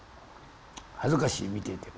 恥ずかしい見ていて。